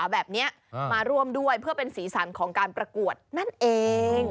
แบบนี้มาร่วมด้วยเพื่อเป็นสีสันของการประกวดนั่นเอง